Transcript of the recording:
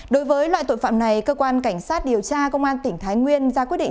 đối với loại tội phạm này cơ quan cảnh sát điều tra công an tỉnh thái nguyên ra quyết định